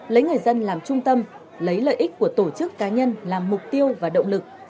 lấy người dân làm trung tâm lấy lợi ích của tổ chức cá nhân làm mục tiêu và động lực